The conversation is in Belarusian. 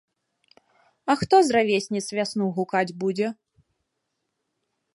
А хто з равесніц вясну гукаць будзе?